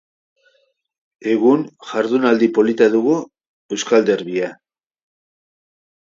Egun, jardunaldi polita dugu euskal derbia.